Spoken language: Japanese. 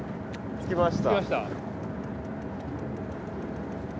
着きました？